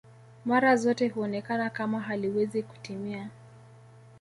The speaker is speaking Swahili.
Mara zote huonekana kama haliwezi kutimia